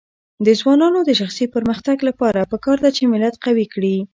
د ځوانانو د شخصي پرمختګ لپاره پکار ده چې ملت قوي کړي.